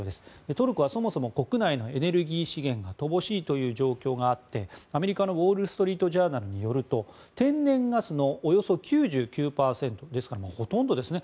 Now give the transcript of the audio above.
トルコは、そもそも国内のエネルギー資源が乏しいという状況があってアメリカのウォール・ストリート・ジャーナルによると天然ガスのおよそ９９％ですから、ほとんどですね。